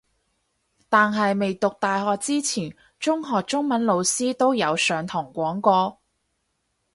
但係未讀大學之前中學中文老師都有上堂讀過